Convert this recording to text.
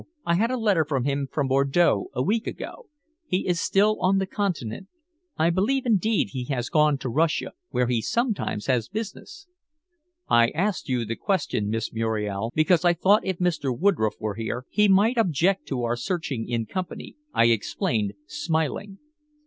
I had a letter from him from Bordeaux a week ago. He is still on the Continent. I believe, indeed, he has gone to Russia, where he sometimes has business." "I asked you the question, Miss Muriel, because I thought if Mr. Woodroffe were here, he might object to our searching in company," I explained, smiling.